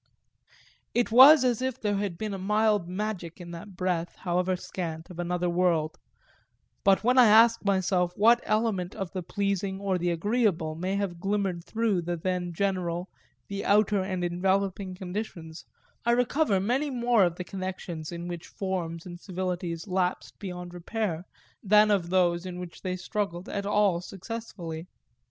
It was as if there had been a mild magic in that breath, however scant, of another world; but when I ask myself what element of the pleasing or the agreeable may have glimmered through the then general, the outer and enveloping conditions, I recover many more of the connections in which forms and civilities lapsed beyond repair than of those in which they struggled at all successfully.